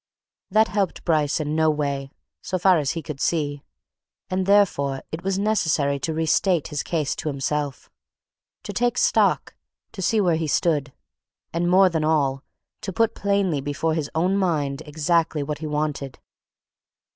That helped Bryce in no way so far as he could see. And therefore it was necessary to re state his case to himself; to take stock; to see where he stood and more than all, to put plainly before his own mind exactly what he wanted.